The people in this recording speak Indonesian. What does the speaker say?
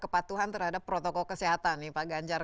kepatuhan terhadap protokol kesehatan nih pak ganjar